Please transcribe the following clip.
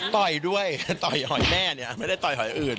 ต่อยด้วยต่อยหอยแม่เนี่ยไม่ได้ต่อยหอยอื่น